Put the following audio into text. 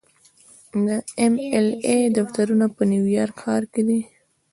د ایم ایل اې دفترونه په نیویارک ښار کې دي.